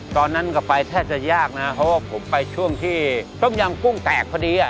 ตอนนั้นก็ไปแทบจะยากนะเพราะว่าผมไปช่วงที่ต้มยำกุ้งแตกพอดี